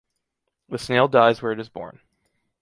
The snail dies where it is born.